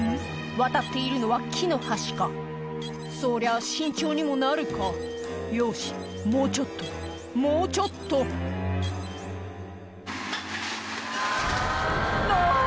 渡っているのは木の橋かそりゃ慎重にもなるかよしもうちょっともうちょっとあぁ！